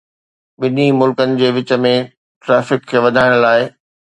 ٻنهي ملڪن جي وچ ۾ ٽرئفڪ کي وڌائڻ لاء.